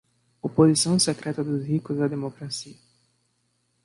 Oposição secreta dos ricos à democracia.